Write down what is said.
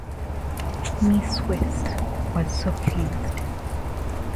Mrs West was so pleased.